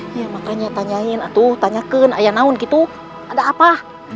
hai yang makanya tanyain atuh tanyakan ayana ungi tuh ada apa